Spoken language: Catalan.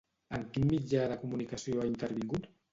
En quin mitjà de comunicació ha intervingut?